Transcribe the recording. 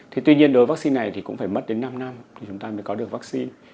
thì tuy nhiên đối với vaccine này thì cũng phải mất đến năm năm thì chúng ta mới có được vaccine